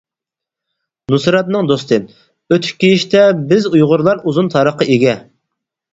نۇسرەتنىڭ دوستى:-ئۆتۈك كىيىشتە بىز ئۇيغۇرلار ئۇزۇن تارىخقا ئىگە.